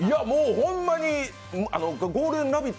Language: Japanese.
ほんまに「ゴールデンラヴィット！」